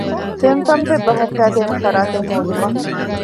ފެން ޕަންޕެއް ބަހައްޓައިދޭނެ ފަރާތެއް ހޯދުމަށް